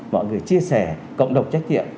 mọi người chia sẻ cộng đồng trách nhiệm